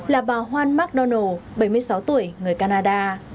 là bà hoan mcdonald bảy mươi sáu tuổi người canada